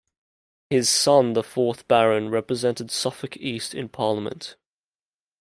His son, the fourth Baron, represented Suffolk East in Parliament.